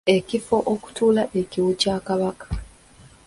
Ekifo okutuula ekiwu kya Kabaka.